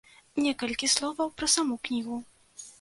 Некалькі словаў пра саму кнігу.